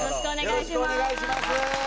よろしくお願いします。